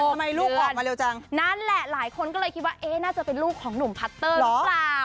ทำไมลูกออกมาเร็วจังนั่นแหละหลายคนก็เลยคิดว่าเอ๊ะน่าจะเป็นลูกของหนุ่มพัตเตอร์หรือเปล่า